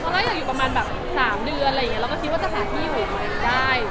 แค่เมื่อเราอยู่ประมาณแบบสามเดือนอะไรอย่างนี้เราก็คิดว่าจะหาที่อยู่ได้